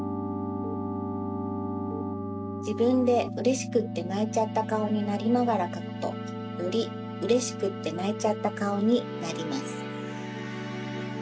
じぶんでうれしくってないちゃったかおになりながらかくとよりうれしくってないちゃったかおになります。